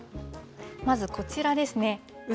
まずこちらですね。